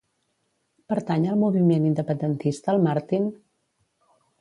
Pertany al moviment independentista el Martin?